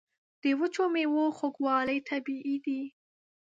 د وچو میوو خوږوالی طبیعي دی.